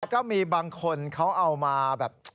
ก็มีบางคนเขาเอามาแบบ